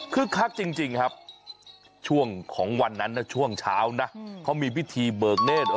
คือคักจริงครับช่วงของวันนั้นนะช่วงเช้านะเขามีพิธีเบิกเนธ